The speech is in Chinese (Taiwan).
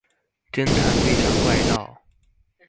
偵探對上怪盜